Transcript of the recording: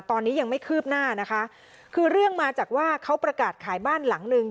ตอนนี้ยังไม่คืบหน้านะคะคือเรื่องมาจากว่าเขาประกาศขายบ้านหลังนึง